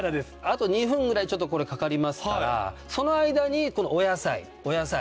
あと２分ぐらいちょっとこれかかりますからその間にお野菜お野菜。